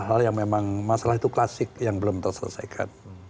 hal yang memang masalah itu klasik yang belum terselesaikan